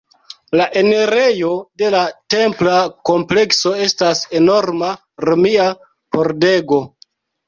La enirejo de la templa komplekso estas enorma romia pordego.